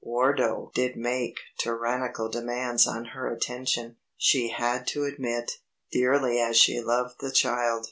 Wardo did make tyrannical demands on her attention, she had to admit, dearly as she loved the child.